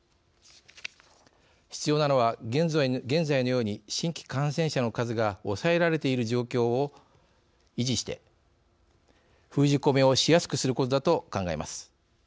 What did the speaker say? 必要なのは、現在のように新規感染者の数が抑えられている状況を維持して封じ込めをしやすくすることだと考えます。